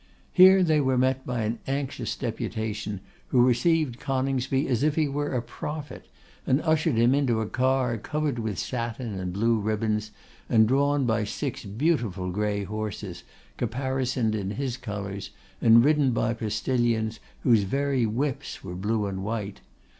Here they were met by an anxious deputation, who received Coningsby as if he were a prophet, and ushered him into a car covered with satin and blue ribbons, and drawn by six beautiful grey horses, caparisoned in his colours, and riden by postilions, whose very whips were blue and white.